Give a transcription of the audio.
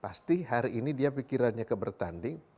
pasti hari ini dia pikirannya ke bertanding